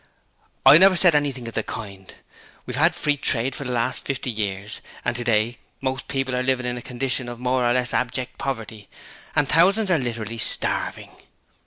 'I never said anything of the kind. We've had Free Trade for the last fifty years and today most people are living in a condition of more or less abject poverty, and thousands are literally starving.